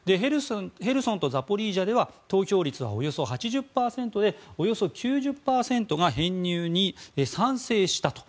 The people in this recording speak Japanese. ヘルソンとザポリージャでは投票率はおよそ８０％でおよそ９０％が編入に賛成したと。